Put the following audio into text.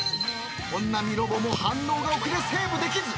［本並ロボも反応が遅れセーブできず］